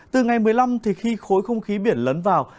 từ ngày một mươi năm thì khi khối không khí biển lấn vào